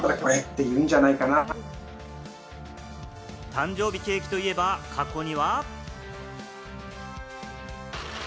誕生日ケーキといえば過去には。